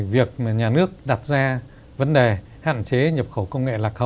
việc nhà nước đặt ra vấn đề hạn chế nhập khẩu công nghệ